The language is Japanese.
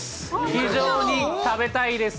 非常に食べたいです。